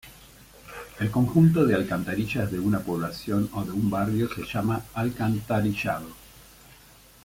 El conjunto de alcantarillas de una población o de un barrio se llama alcantarillado.